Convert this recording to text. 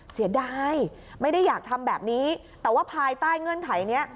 เสียดายไม่ได้อยากทำแบบนี้แต่ว่าภายใต้เงื่อนไขนี้